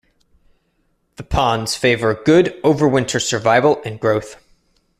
The ponds favor good over-winter survival and growth.